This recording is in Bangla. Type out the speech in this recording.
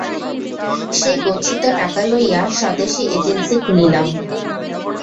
সেই গচ্ছিত টাকা লইয়া স্বদেশী এজেন্সি খুলিলাম।